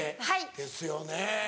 ですよね。